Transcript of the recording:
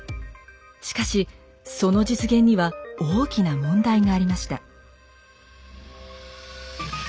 しかしその実現には大きな問題がありました。